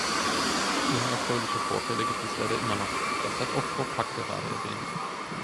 Unerfreuliche Vorfälle gibt es leider immer noch, das hat auch Frau Pack gerade erwähnt.